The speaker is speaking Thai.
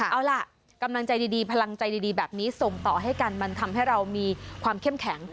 เอาล่ะกำลังใจดีพลังใจดีแบบนี้ส่งต่อให้กันมันทำให้เรามีความเข้มแข็ง